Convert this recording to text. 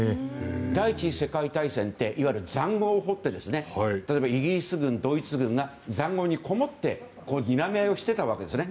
第１次世界大戦っていわゆる塹壕を掘ってイギリス軍、ドイツ軍が塹壕にこもってにらみ合いをしていたわけです。